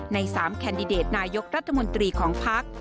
ใน๓แคนดิเดตนายกรัฐมนตรีของพัก